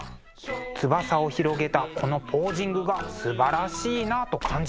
翼を広げたこのポージングがすばらしいなと感じました。